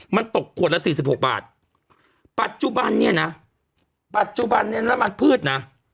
มันตกขวดละ๔๖บาทปัจจุบันเนี่ยนะปัจจุบันเนี่ยน้ำมันพืชนะ